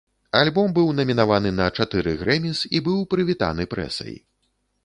Альбом быў намінаваны на чатыры грэміс і быў прывітаны прэсай.